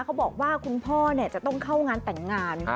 เขาบอกว่าคุณพ่อจะต้องเข้างานแต่งงาน